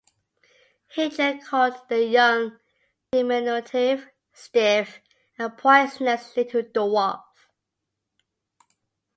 Hitler called the young, diminutive Stieff a poisonous little dwarf.